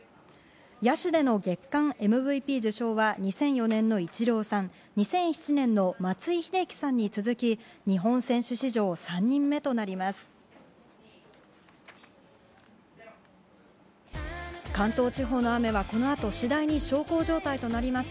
野手での月間ＭＶＰ受賞は２００４年のイチローさん、２００７年の松井秀喜さんに続き、日本選手史上３人目となります。